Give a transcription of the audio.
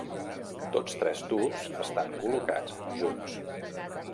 Tots tres tubs estan col·locats junts.